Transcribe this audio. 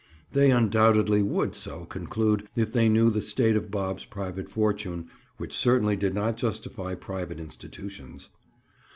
They, undoubtedly, would so conclude if they knew the state of Bob's private fortune, which certainly did not justify private institutions.